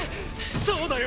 そうだよ